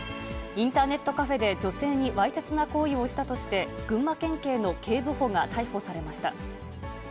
インターネットカフェで女性にわいせつな行為をしたとして、群馬県警の警部補が逮捕されました。